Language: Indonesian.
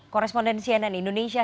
korespondensi cnn indonesia